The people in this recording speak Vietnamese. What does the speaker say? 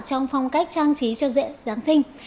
trong phong cách trang trí cho dễ giáng sinh